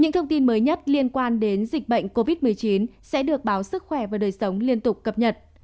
những thông tin mới nhất liên quan đến dịch bệnh covid một mươi chín sẽ được báo sức khỏe và đời sống liên tục cập nhật